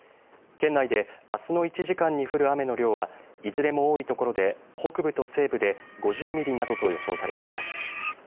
県内で、あすの１時間に降る雨の量は、いずれも多い所で北部と西部で５０ミリなどと予想されています。